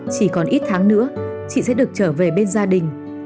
chỉ còn ít tháng nữa chị sẽ được trở về bên gia đình